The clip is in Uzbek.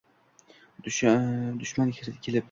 Dushman kilib